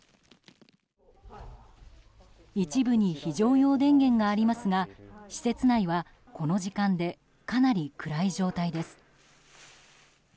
一部に非常用電源がありますが施設内は、この時間でかなり暗い状態です。